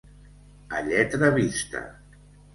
A lletra vista.